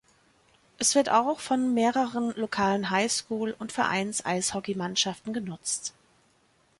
Es wird auch von mehreren lokalen High-School- und Vereins-Eishockeymannschaften genutzt.